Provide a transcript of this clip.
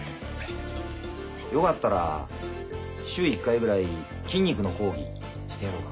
よかったら週１回ぐらい筋肉の講義してやろうか？